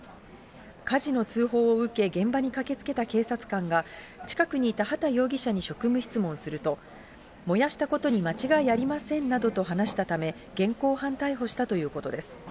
火事の通報を受け、現場に駆けつけた警察官が、近くにいた畑容疑者に職務質問すると、燃やしたことに間違いありませんなどと話したため、現行犯逮捕したということです。